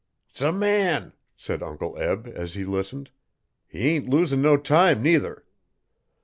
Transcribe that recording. ''S a man,' said Uncle Eb, as he listened. 'He ain't a losin' no time nuther.'